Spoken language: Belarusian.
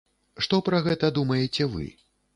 Што пра гэта думаеце вы?